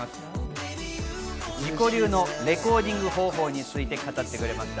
自己流のレコーディング方法について語ってくれました。